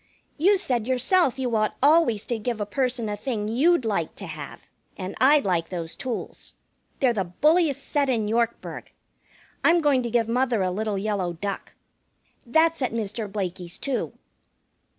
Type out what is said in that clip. "You said yourself you ought always to give a person a thing you'd like to have, and I'd like those tools. They're the bulliest set in Yorkburg. I'm going to give mother a little yellow duck. That's at Mr. Blakey's, too."